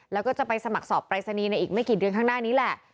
แล้วก็จะไปสมัครสอบปรายศนีย์ในอีกไม่กี่เดือนข้างหน้านี้แหละ